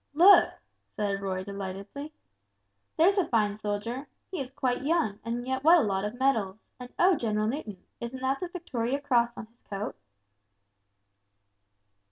"Look," said Roy, delightedly, "there's a fine soldier. He is quite young, and yet what a lot of medals! and oh, General Newton, isn't that the Victoria Cross on his coat?"